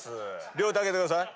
両手上げてください。